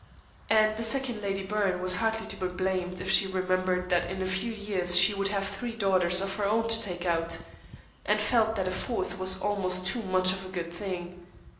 And the second Lady Byrne was hardly to be blamed if she remembered that in a few years she would have three daughters of her own to take out, and felt that a fourth was almost too much of a good thing.